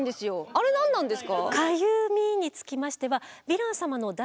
あれ何なんですか？